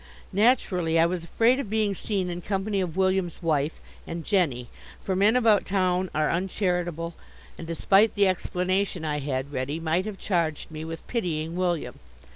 Naturally I was afraid of being seen in company of William's wife and Jenny, for men about town are uncharitable, and, despite the explanation I had ready, might have charged me with pitying William.